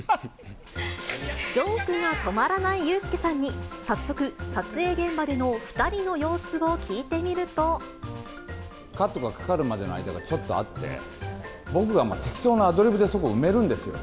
ジョークが止まらないユースケさんに、早速、撮影現場での２カットがかかるまでの間がちょっとあって、僕が適当なアドリブでそこ埋めるんですよ。